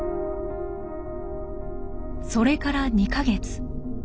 それから２か月。